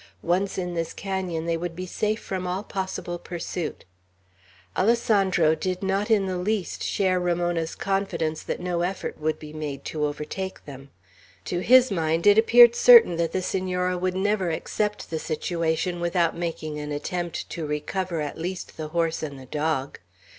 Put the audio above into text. Once in this canon, they would be safe from all possible pursuit. Alessandro did not in the least share Ramona's confidence that no effort would be made to overtake them. To his mind, it appeared certain that the Senora would never accept the situation without making an attempt to recover at least the horse and the dog.